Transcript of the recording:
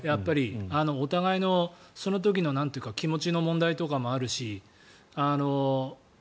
お互いの、その時の気持ちの問題とかもあるし